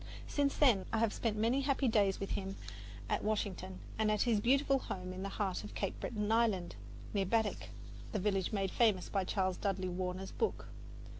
Since then I have spent many happy days with him at Washington and at his beautiful home in the heart of Cape Breton Island, near Baddeck, the village made famous by Charles Dudley Warner's book.